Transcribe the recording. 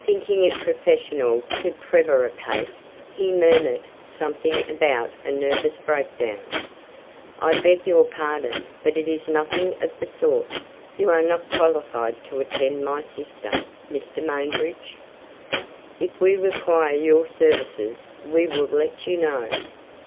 Thinking it professional to prevaricate, he murmured something about a nervous breakdown. "I beg your pardon, but it is nothing of the sort. You are not qualified to attend my sister, Mr. Mansbridge. If we require your services, we will let you know."